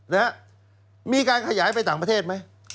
นะฮะมีการขยายไปต่างประเทศไหม